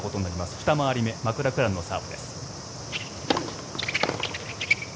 ２回り目マクラクランのサーブです。